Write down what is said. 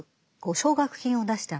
奨学金を出した。